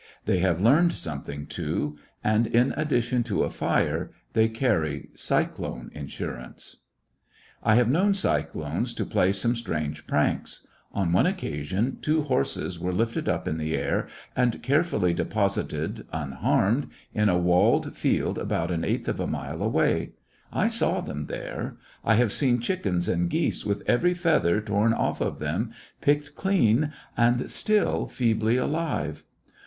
They have learned something, too, and, in addition to a fire they carry a cyclone insurance. The vagaries I have known cyclones to play some strange of the tornado ,^.., pranks. On one occasion two horses were lifted up in the air and carefully deposited unharmed in a walled field about an eighth of a mile away. I saw them there. I have seen chickens and geese with every feather torn off of them, picked clean, and still feebly alive.